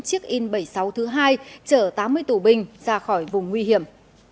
chiếc in bảy mươi sáu thứ hai chở tám mươi tù binh ra khỏi vùng nguy hiểm